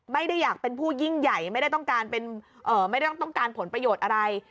ไม่ได้อยากเป็นผู้ยิ่งใหญ่ไม่ได้ต้องการไม่ได้ต้องการผลประโยชน์อะไร